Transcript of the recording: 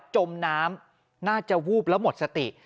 จมน้ำน่าจะวูบแล้วหมดสติ